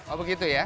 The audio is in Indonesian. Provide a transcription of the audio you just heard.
oh begitu ya